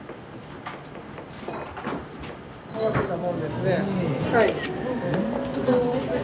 合わせたもんですねはい。